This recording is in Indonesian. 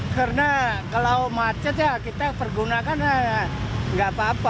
karena kalau macet ya kita pergunakan ya nggak apa apa